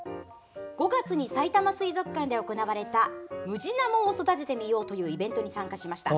５月にさいたま水族館で行われた「ムジナモを育ててみよう」というイベントに参加しました。